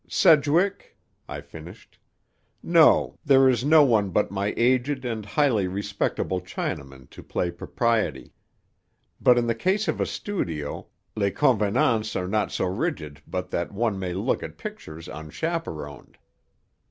"Sedgwick?" I finished. "No. There is no one but my aged and highly respectable Chinaman to play propriety. But in the case of a studio, les convenances are not so rigid but that one may look at pictures unchaperoned."